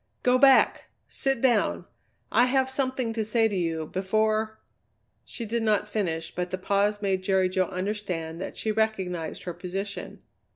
"Go back! Sit down! I have something to say to you before " She did not finish, but the pause made Jerry Jo understand that she recognized her position.